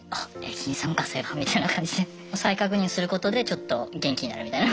駅員さんかそういえばみたいな感じで再確認することでちょっと元気になるみたいな。